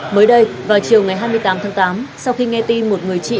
mới đây vào chiều ngày hai mươi tám tháng tám sau khi nghe tin một người chị